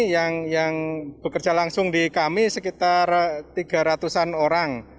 yang bekerja langsung di kami sekitar tiga ratus an orang